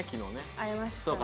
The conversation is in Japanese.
会えましたね。